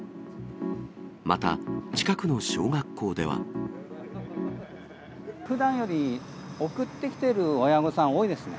また近くの小学校では。ふだんより送ってきている親御さん、多いですね。